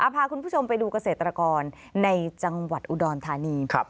พาคุณผู้ชมไปดูเกษตรกรในจังหวัดอุดรธานี